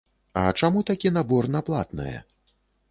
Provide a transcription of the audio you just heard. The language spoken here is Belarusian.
А чаму такі набор на платнае?